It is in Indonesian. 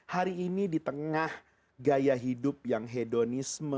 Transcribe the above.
hari ini di tengah gaya hidup yang hedonisme